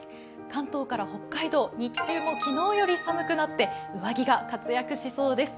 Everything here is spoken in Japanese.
関東から北海道、日中も昨日より寒くなって上着が活躍しそうです。